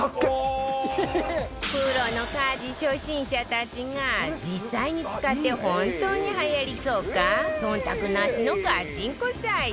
プロの家事初心者たちが実際に使って本当にはやりそうか忖度なしのガチンコ採点